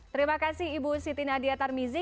terima kasih ibu siti nadia tarmizi